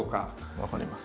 分かります。